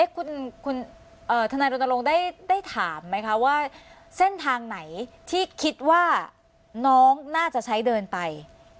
คุณทนายรณรงค์ได้ถามไหมคะว่าเส้นทางไหนที่คิดว่าน้องน่าจะใช้เดินไป